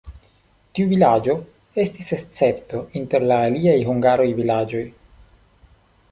Tiu vilaĝo estis escepto inter la aliaj hungaraj vilaĝoj.